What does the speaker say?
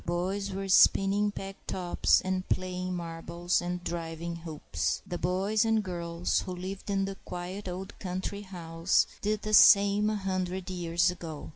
Boys were spinning peg tops and playing marbles and driving hoops. The boys and girls who lived in the quiet old country house did the same a hundred years ago.